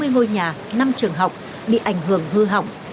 một trăm sáu mươi ngôi nhà năm trường học bị ảnh hưởng hư hỏng